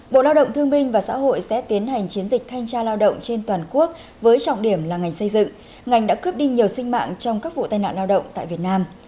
bộ lao động thương minh và xã hội sẽ tiến hành chiến dịch thanh tra lao động trên toàn quốc với trọng điểm là ngành xây dựng ngành đã cướp đi nhiều sinh mạng trong các vụ tai nạn lao động tại việt nam